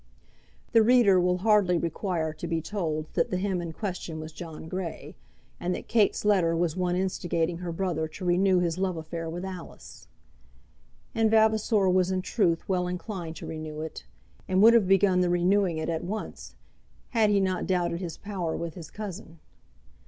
The reader will hardly require to be told that the him in question was John Grey, and that Kate's letter was one instigating her brother to renew his love affair with Alice. And Vavasor was in truth well inclined to renew it, and would have begun the renewing it at once, had he not doubted his power with his cousin.